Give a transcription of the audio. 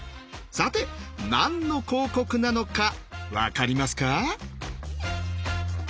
さて何の広告なのか分かりますか？